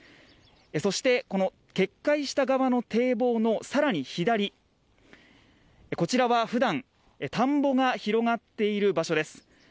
そして決壊した側の堤防のさらに左こちらは普段田んぼが広がっている場所です。